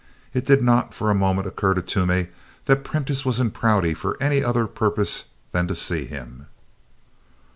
It did not for a moment occur to Toomey that Prentiss was in Prouty for any other purpose than to see him.